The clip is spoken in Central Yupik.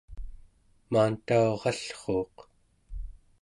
maantaurallruuq